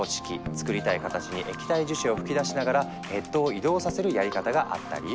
作りたい形に液体樹脂を噴き出しながらヘッドを移動させるやり方があったり。